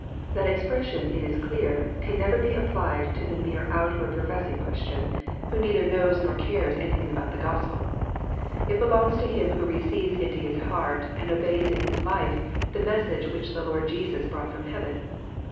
That expression, it is clear, can never be appli* cable to the mere outward professing Christian, who neither 124 EXFOsrroBT thoughts. knows nor cares anything about the Gospel. It belongs to him who receives into his heart, and obeys in his life, the messi^e which the Lord Jesus brought from heaven.